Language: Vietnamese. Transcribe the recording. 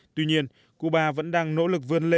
tuy nhiên cuba vẫn đang nỗ lực vươn lên